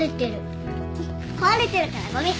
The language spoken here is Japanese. うん壊れてるからごみ。